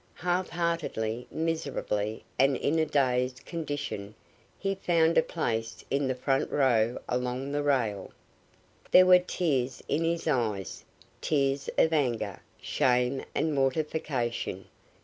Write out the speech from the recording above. Half heartedly, miserably and in a dazed condition he found a place in the front row along the rail. There were tears in his eyes, tears of anger, shame and mortification.